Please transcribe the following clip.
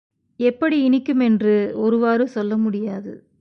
எப்படி இனிக்கும் என்று ஒருவாறு சொல்ல முடியாது.